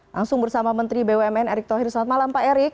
langsung bersama menteri bumn erick thohir selamat malam pak erick